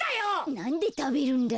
なんでたべるんだよ。